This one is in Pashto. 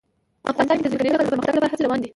افغانستان کې د ځمکني شکل د پرمختګ لپاره هڅې روانې دي.